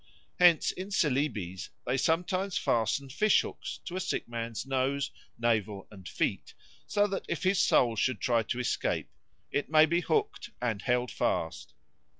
Hence in Celebes they sometimes fasten fish hooks to a sick man's nose, navel, and feet, so that if his soul should try to escape it may be hooked and held fast.